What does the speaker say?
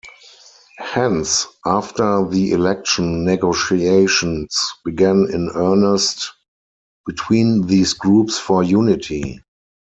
Hence after the election negotiations began in earnest between these groups for unity.